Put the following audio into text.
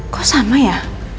kok sama ya